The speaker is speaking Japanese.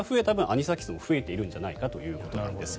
アニサキスも増えたんじゃないかということです。